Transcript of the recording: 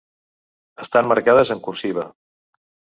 Estan marcades en cursiva.